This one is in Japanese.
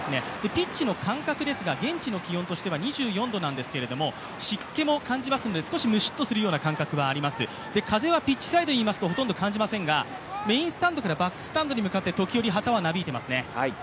ピッチの感覚ですが、現地の感覚としては２４度なんですけど湿気も感じますので少しむしっとするような感覚はあります、風はピッチサイドにいるとほとんど感じませんがメインスタンドからバックスタンドに向かって時折、旗はなびいていますね。